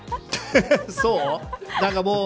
そう。